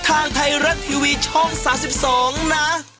ทางไทยรัฐทีวีช่อง๓๒นะ